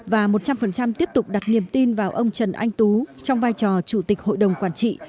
và một trăm linh tiếp tục đặt niềm tin vào ông trần anh tú trong vai trò chủ tịch hội đồng quản trị